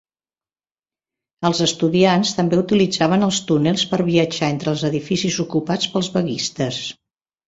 Els estudiants també utilitzaven els túnels per viatjar entre els edificis ocupats pels vaguistes.